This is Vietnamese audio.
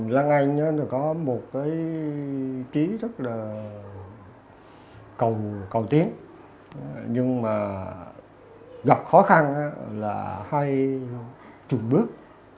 lan anh có một cái trí rất là cầu tiến nhưng mà gặp khó khăn là hay chuồn bước